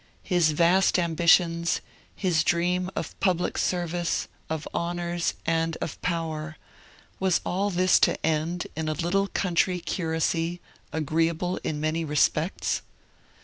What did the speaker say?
His vast ambitions, his dreams of public service, of honours, and of power, was all this to end in a little country curacy 'agreeable in many respects'?